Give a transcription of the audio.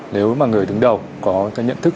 nếu mà người đứng đầu có cái nhận thức